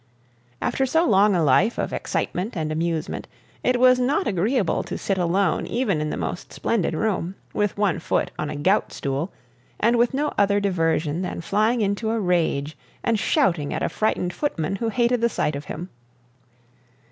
After so long a life of excitement and amusement, it was not agreeable to sit alone even in the most splendid room, with one foot on a gout stool, and with no other diversion than flying into a rage, and shouting at a frightened footman who hated the sight of him.